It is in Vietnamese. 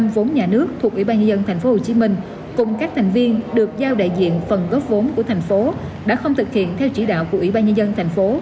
một trăm linh vốn nhà nước thuộc ủy ban nhà dân tp hcm cùng các thành viên được giao đại diện phần góp vốn của thành phố đã không thực hiện theo chỉ đạo của ủy ban nhà dân tp